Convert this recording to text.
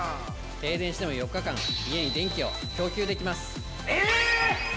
停電しても４日間家に電気を供給できます！